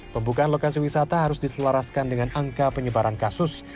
pembukaan lokasi wisata harus diselaraskan dengan angka penyebaran kasus